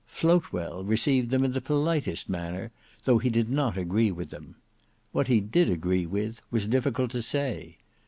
FLOATWELL received them in the politest manner, though he did not agree with them. What he did agree with was difficult to say.